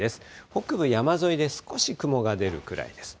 北部山沿いで少し雲が出るくらいです。